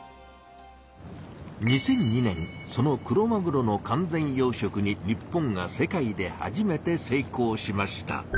２００２年そのクロマグロの完全養しょくに日本が世界で初めて成功しました。